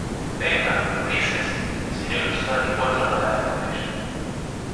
venga, Ulises , si no he cruzado ni cuatro palabras con ella.